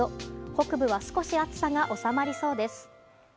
北部は少し暑さが収まりそうです。